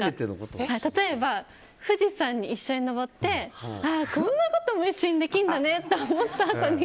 例えば、富士山に一緒に登ってこんなことも一緒にできるんだねと思ったあとに。